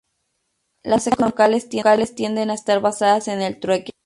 Las economías locales tienden a estar basadas en el trueque.